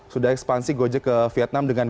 sudah ekspansi gojek ke vietnam dengan